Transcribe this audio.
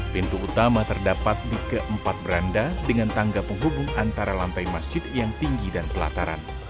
pintu utama terdapat di keempat beranda dengan tangga penghubung antara lantai masjid yang tinggi dan pelataran